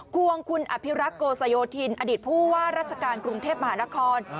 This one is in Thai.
ควงคุณอภิรักษ์โกสโยธินอดีตผู้ว่าราชการกรุงเทพมหานคร